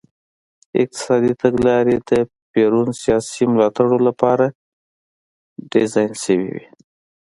اقتصادي تګلارې د پېرون سیاسي ملاتړو لپاره ډیزاین شوې وې.